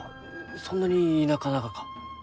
そんなに田舎ながか？